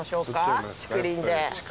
竹林で。